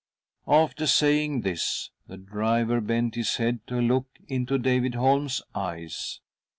After saying this, the driver bent his head to look into David Holm's eyes.